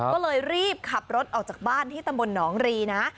ก็เลยรีบขับรถออกจากบ้านที่ตำบลหนองรีนะ